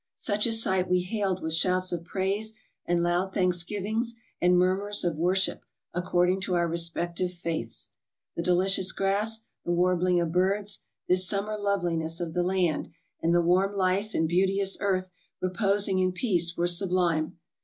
Such a sight we hailed with shouts of praise and loud thanksgivings and murmurs of wor ship according to our respective faiths. The delicious grass, the warbling of birds, this summer loveliness of the land and the warm life and beauteous earth reposing in peace were sublime.